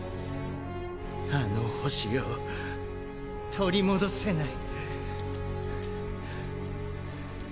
あの星を取り戻せない。